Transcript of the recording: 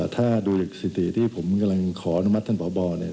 ถ้าดูสิติที่ผมกำลังขออนุมัติท่านพบเนี่ย